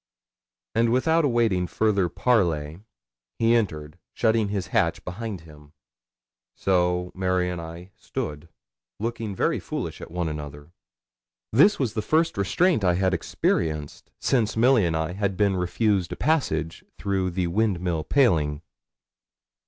And without awaiting further parley, he entered, shutting his hatch behind him. So Mary and I stood, looking very foolish at one another. This was the first restraint I had experienced since Milly and I had been refused a passage through the Windmill paling.